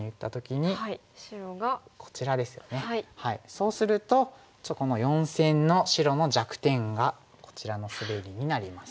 そうするとちょっとこの四線の白の弱点がこちらのスベリになります。